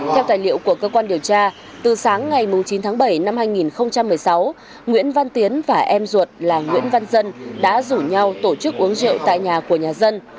theo tài liệu của cơ quan điều tra từ sáng ngày chín tháng bảy năm hai nghìn một mươi sáu nguyễn văn tiến và em ruột là nguyễn văn dân đã rủ nhau tổ chức uống rượu tại nhà của nhà dân